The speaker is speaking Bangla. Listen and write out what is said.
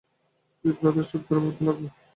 বিপ্রদাস চুপ করে ভাবতে লাগল।